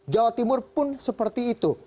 jawa timur pun seperti itu